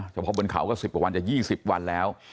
เฉพาะบนเขาก็๑๐กว่าวันจะ๒๐วันแล้ว